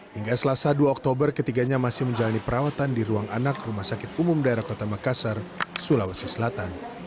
hingga selasa dua oktober ketiganya masih menjalani perawatan di ruang anak rumah sakit umum daerah kota makassar sulawesi selatan